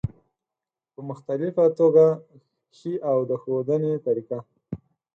په مختلفه توګه ښي او د ښودنې طریقه